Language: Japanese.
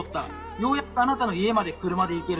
ようやくあなたの家まで車で行ける。